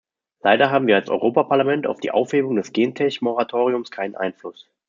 Leider haben wir als Europaparlament auf die Aufhebung des Gentech-Moratoriums keinen Einfluss.